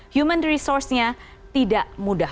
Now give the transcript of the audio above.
human resource nya tidak mudah